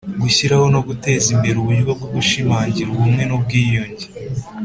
Gushyiraho no guteza imbere uburyo bwo gushimangira ubumwe n ubwiyunge